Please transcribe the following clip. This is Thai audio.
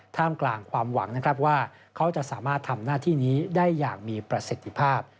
ท่ามกลางความหวังนะครับว่าเขาจะสามารถทำหน้าที่นี้ได้อย่างมีประสิทธิภาพ